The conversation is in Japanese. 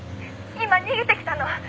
「今逃げてきたの。